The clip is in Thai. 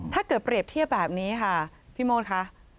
ถ้าเกิดเปรียบเทียบแบบนี้ค่ะพี่โมนค่ะ